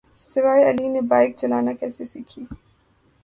سوہائے علی نے بائیک چلانا کیسے سیکھی